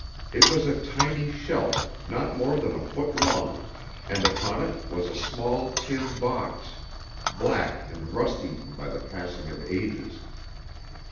It was a tiny shelf, not more than a foot long, and upon it was a small tin box, black and rust eaten by the passing of ages.